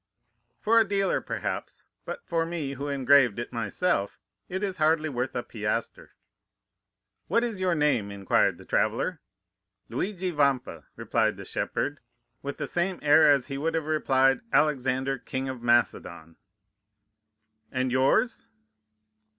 "'For a dealer perhaps; but for me, who engraved it myself, it is hardly worth a piastre.' "'What is your name?' inquired the traveller. "'Luigi Vampa,' replied the shepherd, with the same air as he would have replied, Alexander, King of Macedon. 'And yours?